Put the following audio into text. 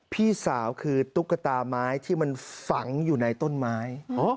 พี่สาวคือตุ๊กตาไม้ที่มันฝังอยู่ในต้นไม้